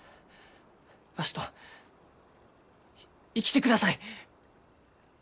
わしと生きてください！